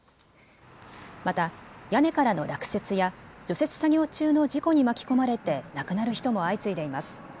また屋根からの落雪や除雪作業中の事故に巻き込まれて亡くなる人も相次いでいます。